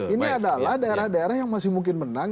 ini adalah daerah daerah yang masih mungkin menang